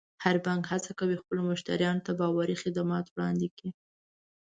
هر بانک هڅه کوي خپلو مشتریانو ته باوري خدمات وړاندې کړي.